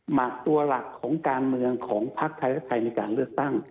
หมากตัวหลักของการเมืองของภักดิ์ไทยและไทยในการเลือกตั้ง